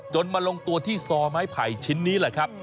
มาลงตัวที่ซอไม้ไผ่ชิ้นนี้แหละครับ